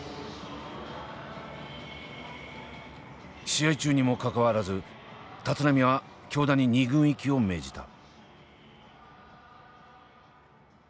試合中にもかかわらず立浪は京田に２軍行きを命じた。